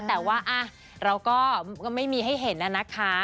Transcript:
แต่ว่าเราก็ไม่มีให้เห็นนะคะ